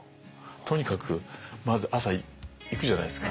とにかくまず朝行くじゃないですか。